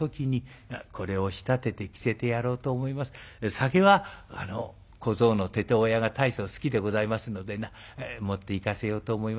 酒は小僧のてて親が大層好きでございますのでな持っていかせようと思います。